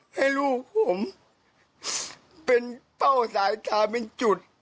ให้ลูกผมเป็นเป้าสายตาเป็นจุด